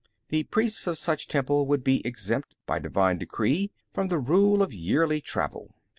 The priests of such a temple would be exempt, by divine decree, from the rule of yearly travel.